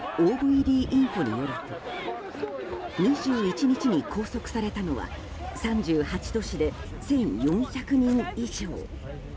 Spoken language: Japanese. ＯＶＤインフォによると２１日に拘束されたのは３８都市で１４００人以上。